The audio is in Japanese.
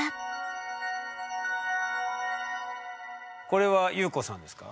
これは裕子さんですか？